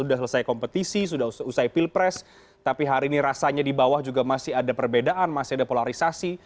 sudah selesai kompetisi sudah selesai pilpres tapi hari ini rasanya di bawah juga masih ada perbedaan masih ada polarisasi